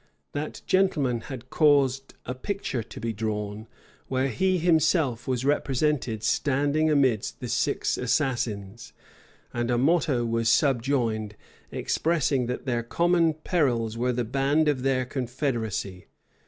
That gentlemen had caused a picture to be drawn, where he himself was represented standing amidst the six assassins; and a motto was subjoined, expressing that their common perils were the band of their confederacy.